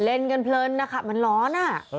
เล่นกันเพลินนะคะมันร้อน